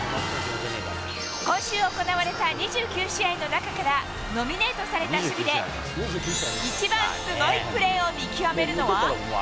今週行われた２９試合の中から、ノミネートされた守備で、一番すごいプレーを見極めるのは？